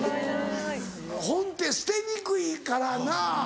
本って捨てにくいからな。